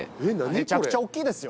めちゃくちゃ大っきいですよ。